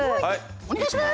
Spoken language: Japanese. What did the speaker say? お願いします。